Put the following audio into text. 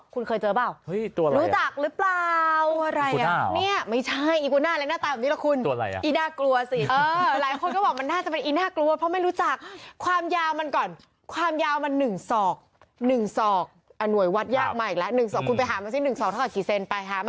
คุณเคยเจอเปล่ารู้จักหรือเปล่าอะไรอ่ะเนี่ยไม่ใช่อีกว่าหน้าอะไรหน้าตาเหมือนนี้แหละคุณ